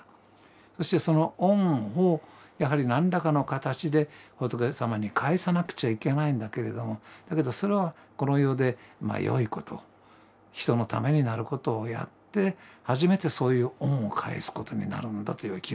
そしてその恩をやはり何らかの形で仏様に返さなくちゃいけないんだけれどもだけどそれはこの世で良いこと人のためになることをやって初めてそういう恩を返すことになるんだという基本的な考え方ですよ。